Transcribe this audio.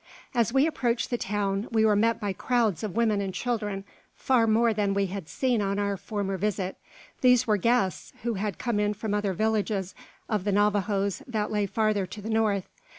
As we approached the town, we were met by crowds of women and children, far more than we had seen on our former visit. These were guests, who had come in from other villages of the Navajoes that lay farther to the north.